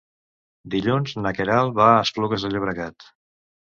Dilluns na Queralt va a Esplugues de Llobregat.